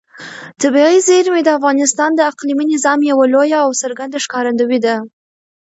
طبیعي زیرمې د افغانستان د اقلیمي نظام یوه لویه او څرګنده ښکارندوی ده.